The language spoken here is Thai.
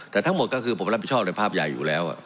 แต่ทั้งหมดก็คือผมรับผิดชอบในภาพใหญ่อยู่แล้ว